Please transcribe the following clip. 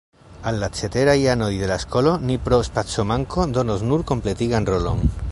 Al la ceteraj anoj de la skolo ni pro spacomanko donos nur kompletigan rolon.